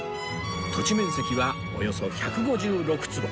土地面積はおよそ１５６坪